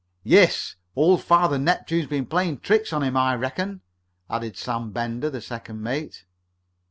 "Yes, old Father Neptune has been playing tricks on him, I reckon," added Sam Bender, the second mate.